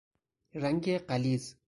رنگ غلیظ